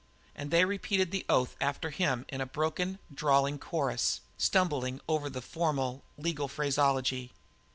And they repeated the oath after him in a broken, drawling chorus, stumbling over the formal, legal phraseology.